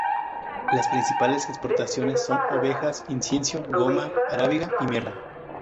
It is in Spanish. Las principales exportaciones son ovejas, incienso, goma arábiga y mirra.